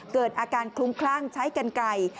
เกิดอาการคลุ้มคลั่งใช้กันไก่